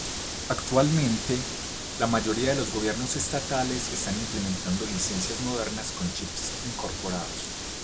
Actualmente, la mayoría de los gobiernos estatales están implementando licencias modernas con chips incorporados.